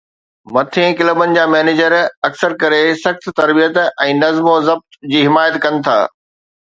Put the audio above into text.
مٿين ڪلبن جا مينيجر اڪثر ڪري سخت تربيت ۽ نظم و ضبط جي حمايت ڪن ٿا.